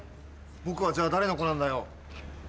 僕はじゃあ誰の子なんだよ。